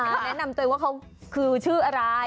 แนะนำตัวเองว่าเขาคือชื่ออะไร